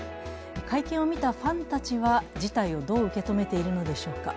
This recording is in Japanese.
会見を見たファンたちは事態をどう受け止めているのでしょうか。